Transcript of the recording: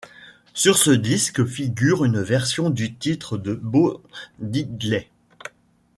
Sur ce disque figure une version du titre de Bo Diddley, '.